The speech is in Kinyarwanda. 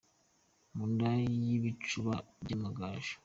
Mu nda y’ibicuba by’Amagaju.